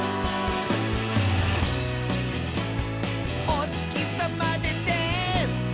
「おつきさまでて」